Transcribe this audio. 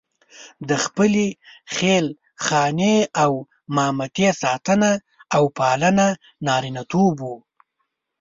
د خپلې خېل خانې او مامتې ساتنه او پالنه نارینتوب وو.